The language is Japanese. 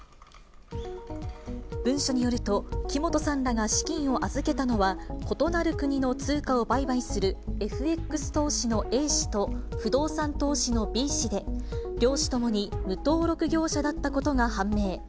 文書によると、木本さんらが資金を預けたのは、異なる国の通貨を売買するＦＸ投資のＡ氏と、不動産投資のＢ氏で、両氏ともに無登録業者だったことが判明。